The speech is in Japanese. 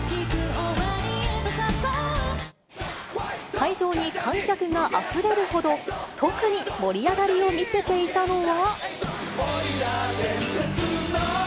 会場に観客があふれるほど、特に盛り上がりを見せていたのは。